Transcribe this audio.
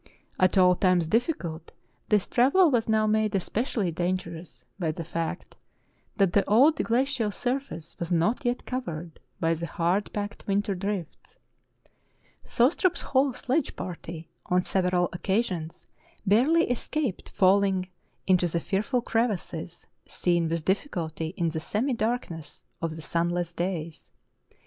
At all times difficult, this travel was now made especially dan gerous by the fact that the old glacial surface was not yet covered by the hard packed winter drifts. Thos trup's whole sledge party on several occasions barely escaped falling into the fearful crevasses, seen with difficulty in the semi darkness of the sunless days.